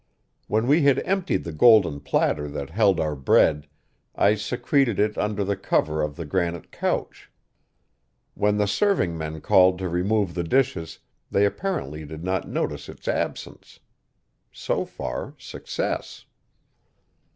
When we had emptied the golden platter that held our bread," I secreted it under the cover of the granite couch. When the serving men called to remove the dishes they apparently did not notice its absence. So far, success.